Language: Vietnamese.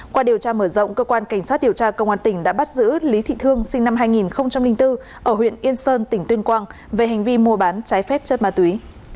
qua điều tra mở rộng cơ quan cảnh sát điều tra công an tỉnh đã bắt giữ lý thị thương sinh năm hai nghìn bốn ở huyện yên sơn tỉnh tuyên quang về hành vi mua bán trái phép chất ma túy